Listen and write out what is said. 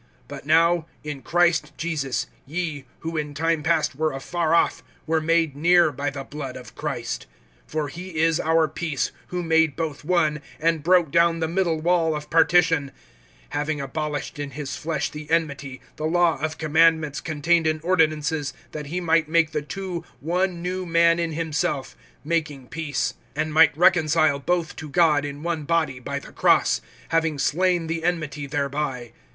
(13)But now, in Christ Jesus, ye, who in time past were afar off, were made near by the blood of Christ. (14)For he is our peace, who made both one, and broke down the middle wall of partition; (15)having abolished in his flesh the enmity, the law of commandments contained in ordinances, that he might make the two one new man in himself, making peace; (16)and might reconcile both to God in one body by the cross, having slain the enmity thereby.